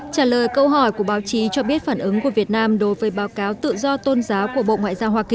trả lời câu hỏi của báo chí cho biết phản ứng của việt nam đối với báo cáo tự do tôn giáo của bộ ngoại giao hoa kỳ